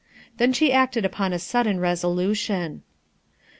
Then she acted upon a gudden resolution.